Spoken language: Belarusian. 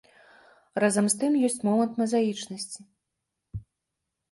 Разам з тым ёсць момант мазаічнасці.